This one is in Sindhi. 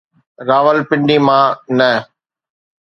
راولپنڊي مان نه.